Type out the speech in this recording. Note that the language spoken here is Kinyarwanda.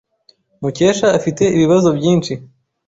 Mukesha afite ibibazo byinshi.